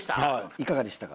いかがでしたか？